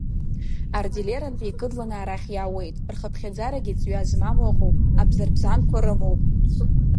Ардилернтәи икыдланы арахь иаауеит, рхыԥхьаӡарагьы ҵҩа змам ыҟоуп, абзарбзанқәагьы рымоуп!